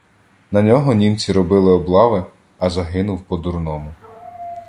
На нього німці робили облави, а загинув по-дурному.